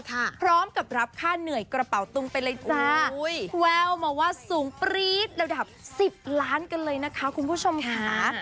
พร้อมกับรับค่าเหนื่อยกระเป๋าตุงไปเลยจ้าแววมาว่าสูงปรี๊ดระดับสิบล้านกันเลยนะคะคุณผู้ชมค่ะ